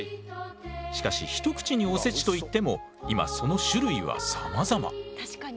しかし一口におせちといっても今その種類はさまざま。